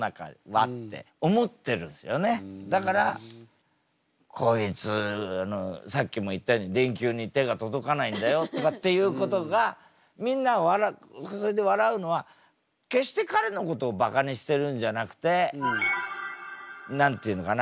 だからこいつのさっきも言ったように電球に手が届かないんだよとかっていうことがみんなはそれで笑うのは決して彼のことをバカにしてるんじゃなくて何て言うのかな。